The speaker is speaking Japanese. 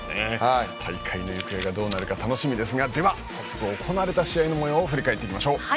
大会の行方がどうなるか楽しみですが行われた試合のもようを振り返っていきましょう。